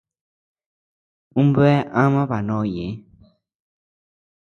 Ú bea ama baʼa nóʼo ñeʼé.